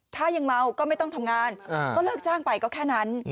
ถ้ายังเมาก็ไม่ต้องทำงานก็เลิกจ้างไปก็แค่นั้น